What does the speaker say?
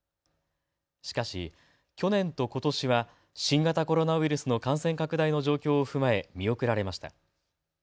しかし去年とことしは新型コロナウイルスの感染拡大の状況を踏まえ見送られました。